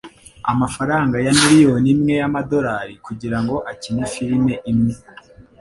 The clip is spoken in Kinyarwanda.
amafaranga ya miliyoni imwe yama dollar kugirango akine film imwe?